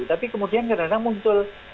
tapi kemudian kadang kadang muncul